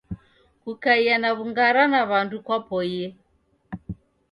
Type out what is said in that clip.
Kukaia na w'ung'ara na wandu kwapoie